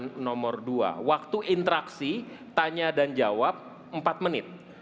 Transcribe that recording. pertanyaan nomor dua waktu interaksi tanya dan jawab empat menit